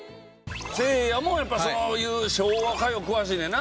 せいやもそういう昭和歌謡詳しいねんな。